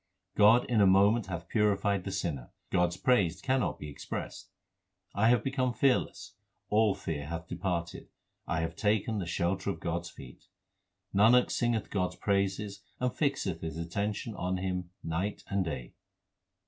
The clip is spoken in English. God in a moment hath purified the sinner ; God s praise cannot be expressed. I have become fearless, all fear hath departed ; I have taken the shelter of God s feet. Nanak singeth God s praises and fixeth his attention on Him night and day.